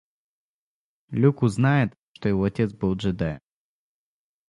Люк узнает, что его отец был джедаем